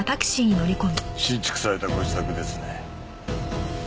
新築されたご自宅ですね。